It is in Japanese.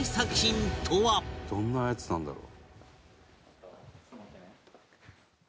「どんなやつなんだろう？」